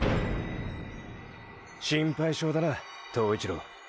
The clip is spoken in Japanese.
心配性だな塔一郎。